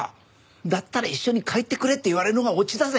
だったら一緒に帰ってくれって言われるのがオチだぜ。